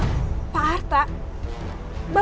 bapak gak salah